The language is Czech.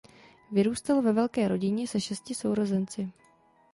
Vyrůstal ve velké rodině se šesti sourozenci.